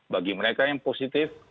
bagi mereka yang positif